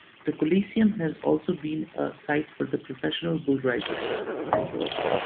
The Coliseum has also been a site for the Professional Bull Riders.